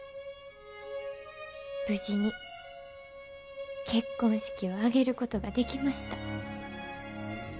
無事に結婚式を挙げることができました。